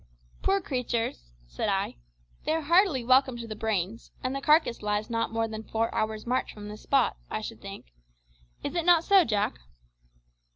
"Poor creatures!" said I, "they are heartily welcome to the brains; and the carcass lies not more than four hours' march from this spot, I should think, Is it not so, Jack?"